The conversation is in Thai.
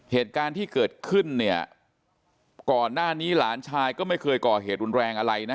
เหตุการณ์ที่เกิดขึ้นเนี่ยก่อนหน้านี้หลานชายก็ไม่เคยก่อเหตุรุนแรงอะไรนะ